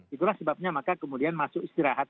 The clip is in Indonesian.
itulah sebabnya maka kemudian masuk istirahat